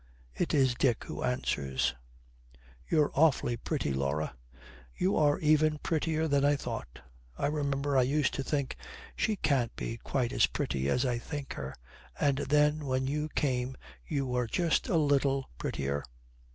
It is Dick who answers. 'You're awfully pretty, Laura. You are even prettier than I thought. I remember I used to think, she can't be quite as pretty as I think her; and then when you came you were just a little prettier.'